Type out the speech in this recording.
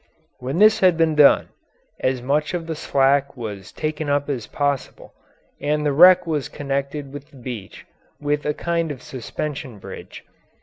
When this had been done, as much of the slack was taken up as possible, and the wreck was connected with the beach with a kind of suspension bridge.